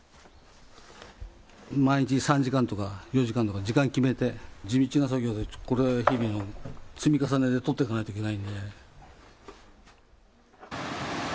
毎日３時間とか４時間とか、時間決めて地道な作業で日々の積み重ねでとっていかないといけない。